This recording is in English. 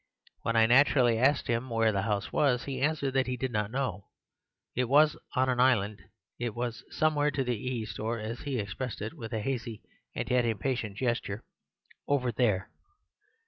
When I naturally asked him where the house was, he answered that he did not know; it was on an island; it was somewhere to the east; or, as he expressed it with a hazy and yet impatient gesture, 'over there.